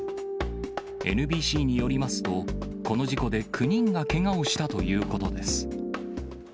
ＮＢＣによりますと、この事故で９人がけがをしたということです。